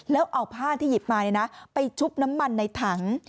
แล้วเอาผ้าที่หยิบมาไปชุบน้ำมันในถัง